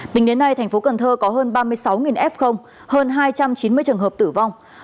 tính đến nay thành phố cần thơ có hơn ba mươi sáu f hơn hai trăm chín mươi trường hợp tử vong